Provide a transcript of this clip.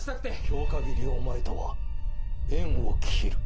今日限りお前とは縁を切る。